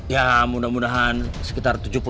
ya mudah mudahan sekitar tujuh puluh tahun lagi